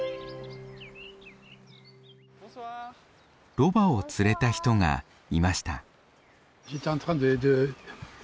ロバを連れた人がいました。